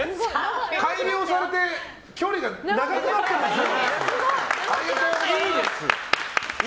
改良されて距離が長くなってるんですよ。